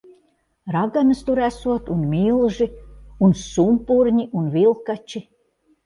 Raganas tur esot un milži. Un sumpurņi un vilkači.